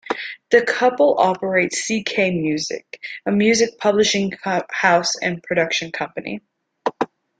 The couple operate CeKay Music, a music publishing house and production company.